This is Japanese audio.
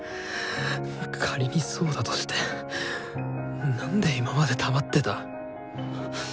仮にそうだとしてなんで今まで黙ってた？